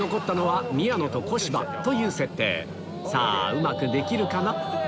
さぁうまくできるかな？